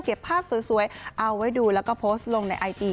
ภาพสวยเอาไว้ดูแล้วก็โพสต์ลงในไอจี